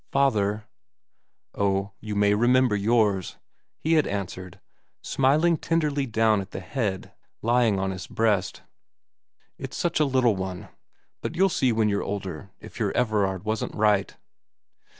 ' Father '' Oh, you may remember yours,' he had answered, smiling tenderly down at the head lying on his breast. * It's such a little one. But you'll see when you're older if your Everard wasn't right.'